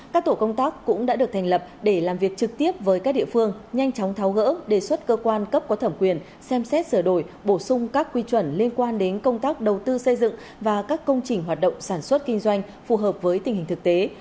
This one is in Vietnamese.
các tổ công tác cũng đã được thành lập để làm việc trực tiếp với các địa phương nhanh chóng tháo gỡ đề xuất cơ quan cấp có thẩm quyền xem xét sửa đổi bổ sung các quy chuẩn liên quan đến công tác đầu tư xây dựng và các công trình hoạt động sản xuất kinh doanh phù hợp với tình hình thực tế